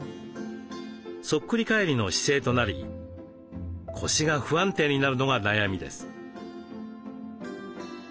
そっくり返りの姿勢となり腰が不安定になるのが悩みです。